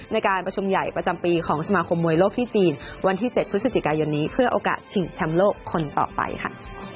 ในการประชุมใหญ่ประจำปีของสมาคมมวยโลกที่จีนวันที่๗พฤศจิกายนนี้เพื่อโอกาสชิงแชมป์โลกคนต่อไปค่ะ